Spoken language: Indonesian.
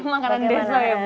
makanan deso ya bu